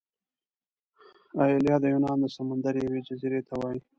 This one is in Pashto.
ایلیا د یونان د سمندر یوې جزیرې ته وايي.